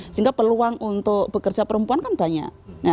sehingga peluang untuk bekerja perempuan kan banyak